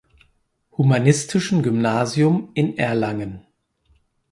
Humanistischen Gymnasium in Erlangen.